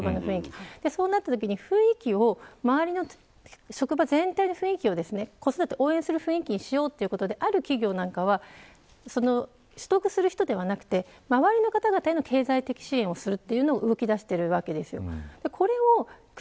そうなったときに職場全体の雰囲気を子育てを応援する雰囲気にしようということで、ある企業では取得する人ではなく周りの方々への経済的支援をするという動きをしています。